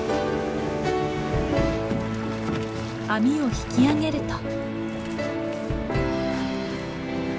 網を引き揚げると。